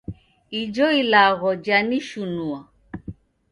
Ijo ilagho janishunua